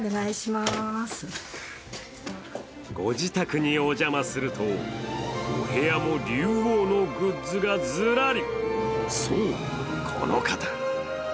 ご自宅にお邪魔するとお部屋も竜王のグッズがずらり。